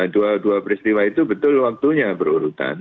dua dua peristiwa itu betul waktunya berurutan